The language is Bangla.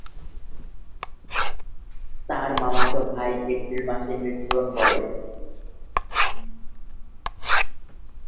তার মামাতো ভাই এপ্রিল মাসে মৃত্যুবরণ করে।